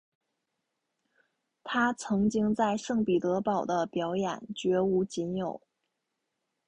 她曾经在圣彼得堡的表演绝无仅有。